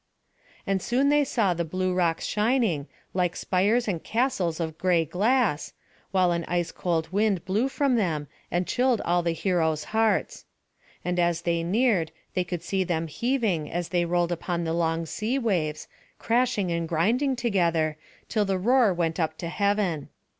And soon they saw the blue rocks shining, like spires and castles of gray glass, while an ice cold wind blew from them, and chilled all the heroes' hearts. And as they neared, they could see them heaving, as they rolled upon the long sea waves, crashing and grinding together, till the roar went up to heaven.